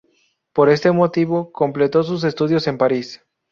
Por este motivo, completó sus estudios en París.